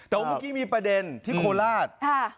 แต่ผมเมื่อกี้มีประเด็นที่โคลาทค่ะ